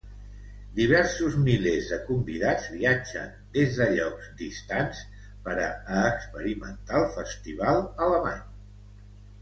Diversos milers de convidats viatgen des de llocs distants per a experimentar el festival alemany.